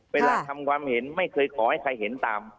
เวลาทำความเห็นไม่เคยขอให้ใครเห็นตาม